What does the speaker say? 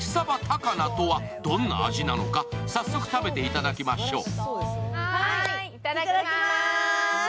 高菜とはどんな味なのか、早速、食べていただきましょう。